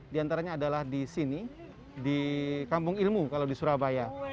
di antaranya adalah di sini di kampung ilmu kalau di surabaya